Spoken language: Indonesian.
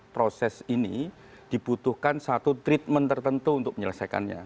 proses ini dibutuhkan satu treatment tertentu untuk menyelesaikannya